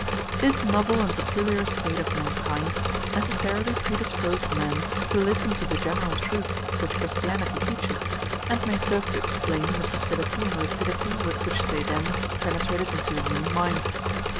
This novel and peculiar state of mankind necessarily predisposed men to listen to the general truths which Christianity teaches, and may serve to explain the facility and rapidity with which they then penetrated into the human mind.